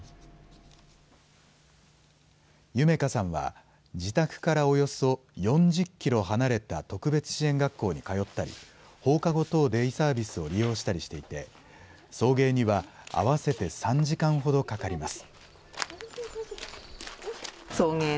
ゆめ佳さんは、自宅からおよそ４０キロ離れた特別支援学校に通ったり、放課後等デイサービスを利用したりしていて、送迎には合わせて３時間ほどかかります。